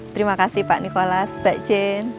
terima kasih pak nikolaf mbak jen